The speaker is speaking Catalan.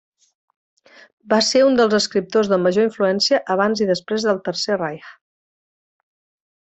Va ser un dels escriptors de major influència abans i després del Tercer Reich.